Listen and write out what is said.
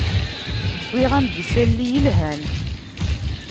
Wwiɣ-am-d isalli yelhan.